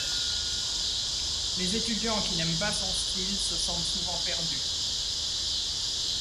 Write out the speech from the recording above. Les étudiants qui n'aiment pas son style se sentent souvent perdus.